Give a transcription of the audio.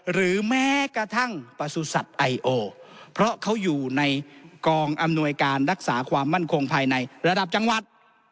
หรือแม้กระทั่งประสุทธิ์สัตว์ไอโอเพราะเขาอยู่ในกองอำนวยการรักษาความมั่นคงภายในระดับจังหวัด